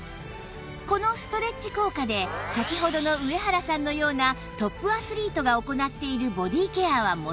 このストレッチ効果で先ほどの上原さんのようなトップアスリートが行っているボディケアはもちろんの事